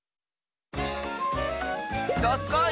どすこい！